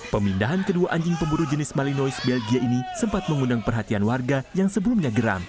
pemindahan kedua anjing pemburu jenis malinois belgia ini sempat mengundang perhatian warga yang sebelumnya geram